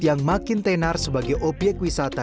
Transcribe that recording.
yang makin tenar sebagai obyek wisata